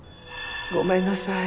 ごめんなさい。